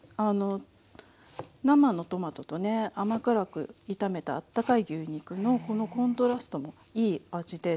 生のトマトとね甘辛く炒めたあったかい牛肉のこのコントラストもいい味で夏ならではのお料理ですね。